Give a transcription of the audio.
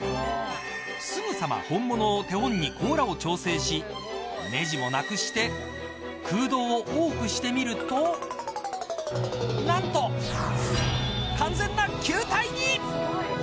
すぐさま本物を手本に甲羅を調整しネジもなくして空洞を多くしてみるとなんと、完全な球体に。